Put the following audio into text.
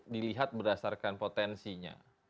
dilihat berdasarkan potensinya